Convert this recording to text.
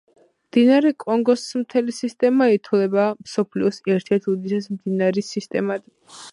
მდინარე კონგოს მთელი სისტემა ითვლება მსოფლიოს ერთ-ერთ უდიდეს მდინარის სისტემად.